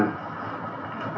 dan akan membahayakan